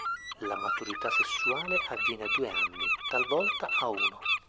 La maturità sessuale avviene a due anni, talvolta a uno.